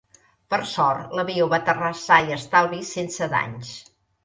Per sort, l'avió va aterrar sa i estalvi sense danys.